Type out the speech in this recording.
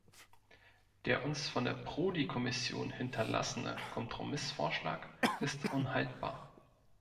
Der uns von der Prodi-Kommission hinterlassene Kompromissvorschlag ist unhaltbar.